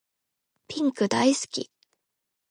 ピンク大好き